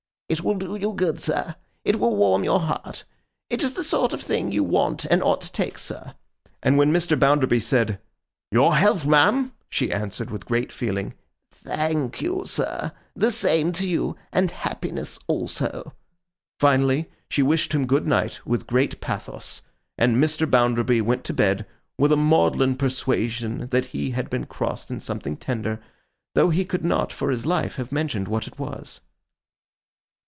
'It will do you good, sir. It will warm your heart. It is the sort of thing you want, and ought to take, sir.' And when Mr. Bounderby said, 'Your health, ma'am!' she answered with great feeling, 'Thank you, sir. The same to you, and happiness also.' Finally, she wished him good night, with great pathos; and Mr. Bounderby went to bed, with a maudlin persuasion that he had been crossed in something tender, though he could not, for his life, have mentioned what it was.